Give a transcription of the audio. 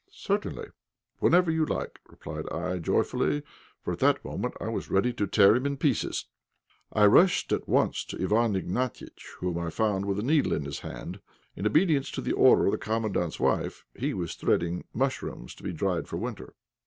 "Certainly, whenever you like," replied I, joyfully; for at that moment I was ready to tear him in pieces. I rushed at once to Iwán Ignatiitch, whom I found with a needle in his hand. In obedience to the order of the Commandant's wife, he was threading mushrooms to be dried for the winter.